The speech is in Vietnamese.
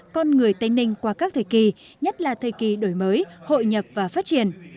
con người tây ninh qua các thời kỳ nhất là thời kỳ đổi mới hội nhập và phát triển